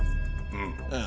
うん。